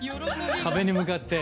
壁に向かって。